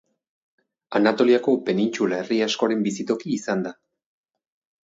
Anatoliako penintsula herri askoren bizitoki izan da.